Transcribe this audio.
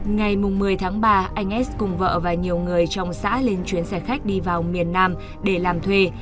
ngày một mươi tháng ba anh as cùng vợ và nhiều người trong xã lên chuyến xe khách đi vào miền nam để làm thuê